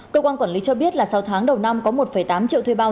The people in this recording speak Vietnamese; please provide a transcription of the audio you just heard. cơ quan quản lý cho biết là sau tháng đầu năm có một tám triệu thuê bao